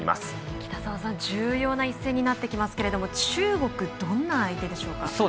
北澤さん、重要な一戦になってきますけれども中国、どんな相手でしょうか。